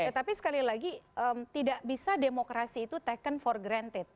tetapi sekali lagi tidak bisa demokrasi itu taken for granted